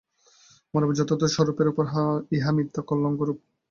মানবের যথার্থ স্বরূপের উপর ইহা মিথ্যা কলঙ্কারোপ।